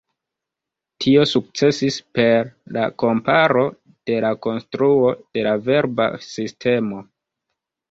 Tio sukcesis per la komparo de la konstruo de la verba sistemo.